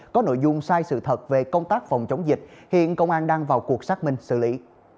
có nội dung sai sự thật về công tác phòng chống dịch hiện công an đang vào cuộc xác minh xử lý